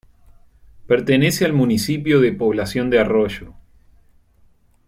Pertenece al municipio de Población de Arroyo.